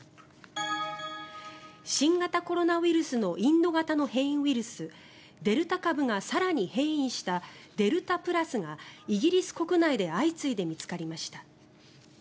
新型コロナウイルスのインド型の変異ウイルスデルタ株が更に変異したデルタプラスがイギリス国内で相次いで見つかりました。